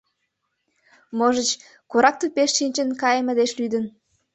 Можыч, корак тупеш шинчын кайыме деч лӱдын.